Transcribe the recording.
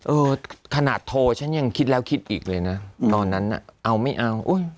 เออขนาดโทรฉันยังคิดแล้วคิดอีกเลยนะตอนนั้นน่ะเอาไม่เอา